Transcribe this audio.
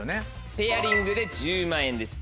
ペアリングで１０万円です。